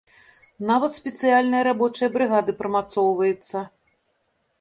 Нават спецыяльная рабочая брыгада прымацоўваецца.